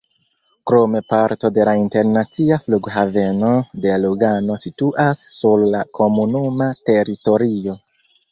Krome parto de la internacia Flughaveno de Lugano situas sur la komunuma teritorio.